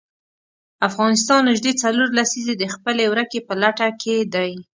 افغانستان نژدې څلور لسیزې د خپلې ورکې په لټه کې دی.